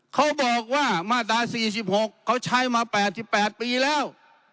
เขาบอกว่ามาตรา๔๖เขาใช้มา๘๘ปีแล้ว